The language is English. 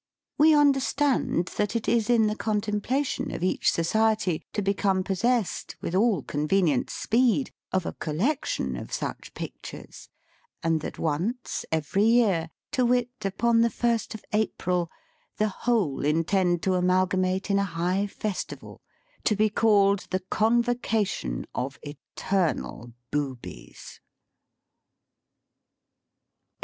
We understand that it is in the contemplation of each Society to become possessed, with all convenient speed, of a collection of such pictures ; and that once, every year, to wit upon the first of April, the whole intend to amalgamate in a high festival, to be called the Convocation of Eternal Boobies.